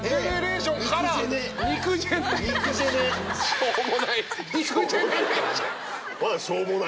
「しょうもない」って。